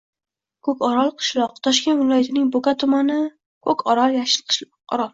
Ko‘korol – qishloq, Toshkent viloyatining Bo‘ka tumani. Ko‘korol – yashil orol.